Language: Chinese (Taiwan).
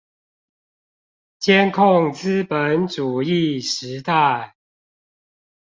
監控資本主義時代